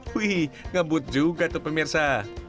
wih ngebut juga tuh pemirsa